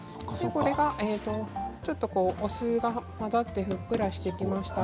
ちょっとお酢が混ざってふっくらしてきました。